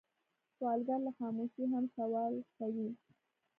سوالګر له خاموشۍ هم سوال کوي